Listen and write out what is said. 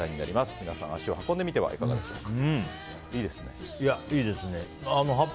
皆さん、足を運んでみてはいかがでしょうか。